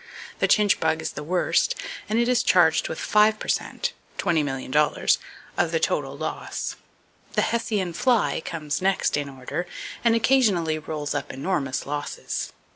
The chinch bug is the worst, and it is charged with five per cent ($20,000,000) of the total loss. The Hessian fly comes next in order, and occasionally rolls up enormous losses.